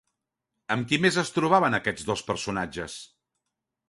Amb qui més es trobaven aquests dos personatges?